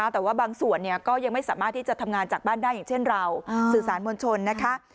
แต่ว่าบางส่วนก็ยังไม่สามารถที่จะทำงานจากบ้านได้อย่างเช่นเราสื่อสารมวลชนนะคะ